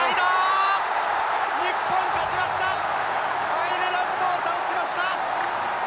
アイルランドを倒しました！